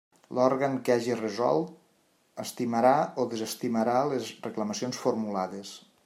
L'òrgan que hagi resolt, estimarà o desestimarà les reclamacions formulades.